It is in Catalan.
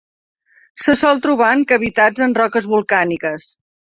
Se sol trobar en cavitats en roques volcàniques.